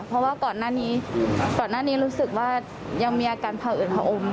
เพราะว่าก่อนหน้านี้รู้สึกว่ายังมีอาการภาวินภาอม